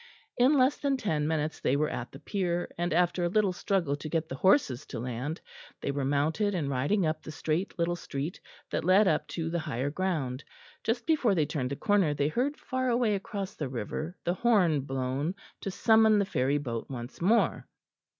In less than ten minutes they were at the pier, and after a little struggle to get the horses to land, they were mounted and riding up the straight little street that led up to the higher ground. Just before they turned the corner they heard far away across the river the horn blown to summon the ferry boat once more.